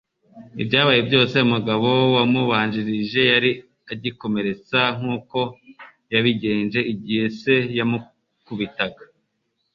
Ibyabaye byose, umugabo wamubanjirije yari agikomeretsa, nkuko yabigenje igihe se yamukubitaga.